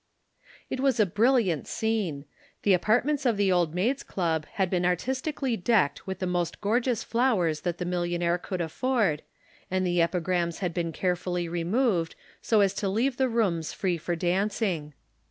It was a brilliant scene. The apartments of the Old Maids' Club had been artistically decked with the most gorgeous flowers that the millionaire could afford, and the epigrams had been carefully removed so as to leave the rooms free for dancing.